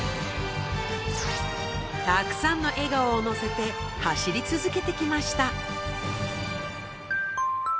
たくさんの笑顔を乗せて走り続けてきました